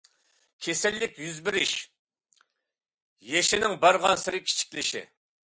كېسەللىك يۈز بېرىش يېشىنىڭ بارغانسېرى كىچىكلىشى.